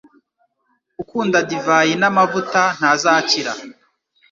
ukunda divayi n’amavuta ntazakira